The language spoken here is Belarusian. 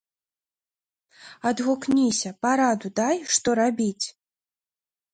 Адгукніся, параду дай, што рабіць!